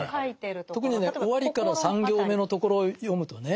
特にね終わりから３行目のところを読むとね